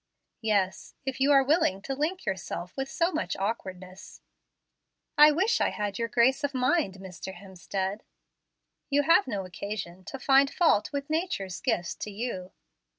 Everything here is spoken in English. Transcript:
"Yes, if you are willing to link yourself with so much awkwardness." "I wish I had your grace of mind, Mr. Hemstead." "You have no occasion to find fault with nature's gifts to you."